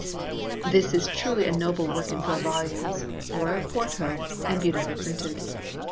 This is truly a noble work in four volumes, royal quarto, and beautifully printed.